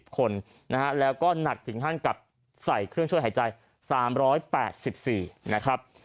คนนะฮะแล้วก็หนักถึงขั้นกับใส่เครื่องช่วยหายใจ๓๘๔นะครับ